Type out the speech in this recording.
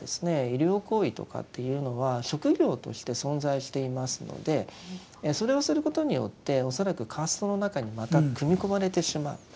医療行為とかっていうのは職業として存在していますのでそれをすることによって恐らくカーストの中にまた組み込まれてしまう。